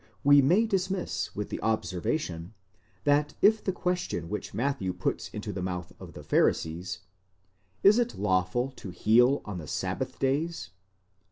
we may dismiss with the observation, that if the question which Matthew puts into the mouth of the Pharisees, Js z# awful to heal on the sabbath days?